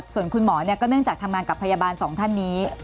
ส่วนคุณหมอก็เนื่องจากทำงานกับพยาบาลสองท่านนี้